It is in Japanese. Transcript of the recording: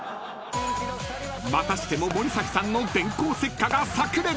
［またしても森崎さんの電光石火が炸裂！］